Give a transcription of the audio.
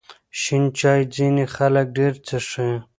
شین چای ځینې خلک ډېر څښي.